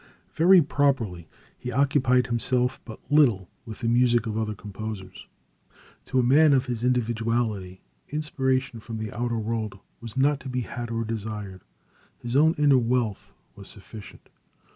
Very properly, he occupied himself but little with the music of other composers. To a man of his individuality, inspiration from the outer world was not to be had or desired. His own inner wealth was sufficient.